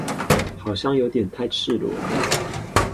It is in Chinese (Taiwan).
好像有點太赤裸了